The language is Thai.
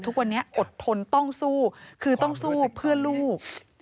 ทุกวันนี้อดทนต้องสู้คือต้องสู้เพื่อลูก